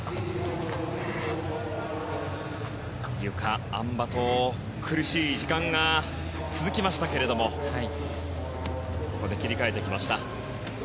ゆか、あん馬と苦しい時間が続きましたけれどもここで切り替えてきました。